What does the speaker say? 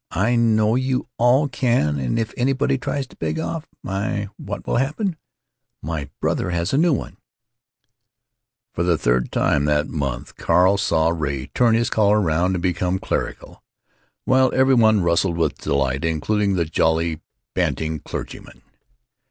I know you all can, and if anybody tries to beg off—my, what will happen——! My brother has a new one——" For the third time that month, Carl saw Ray turn his collar round and become clerical, while every one rustled with delight, including the jolly bantling clergyman.